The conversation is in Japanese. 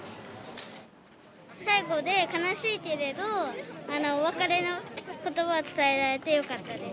最後で悲しいけれど、お別れのことばを伝えられてよかったです。